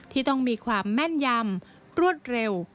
ที่ต้องมีความแม่นยำรวดเร็ว